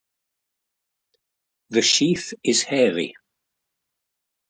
The sheath is hairy.